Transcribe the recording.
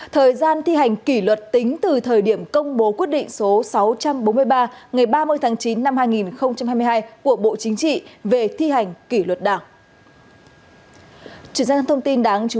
thời gian thi hành kỷ luật tính từ thời điểm công bố quyết định số sáu trăm bốn mươi ba ngày ba mươi tháng chín năm hai nghìn hai mươi hai của bộ chính trị về thi hành kỷ luật đảng